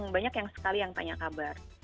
banyak yang sekali yang tanya kabar